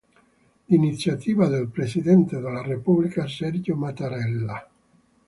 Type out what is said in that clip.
Di iniziativa del Presidente della Repubblica Sergio Mattarella.